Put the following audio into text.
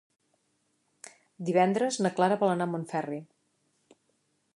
Divendres na Clara vol anar a Montferri.